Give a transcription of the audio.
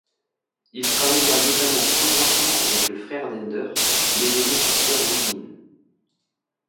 Il travaillera notamment conjointement avec le frère d'Ender, l'Hégémon Peter Wiggin.